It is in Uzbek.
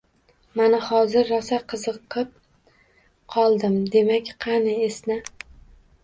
Mana, hozir rosa qiziqib qoldim. Demak, qani, esna!